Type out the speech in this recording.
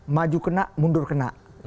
maju kena mundur kena